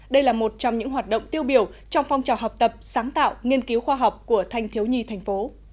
đây là một trong những hoạt động tiêu biểu trong phong trào học tập sáng tạo nghiên cứu khoa học của thanh thiếu nhi thành phố